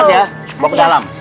bawa ke dalam